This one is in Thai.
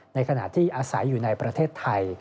ในขณะที่อาศัยอยู่ในประเทศไทย